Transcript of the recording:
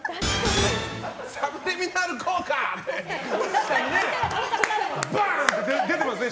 サブリミナル効果！ってバン！って出てますね